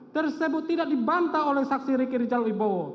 tersebut tidak dibantah oleh saksi ricky rijal ibowo